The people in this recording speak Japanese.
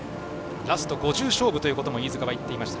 ラスト５０勝負とも飯塚は言っていました。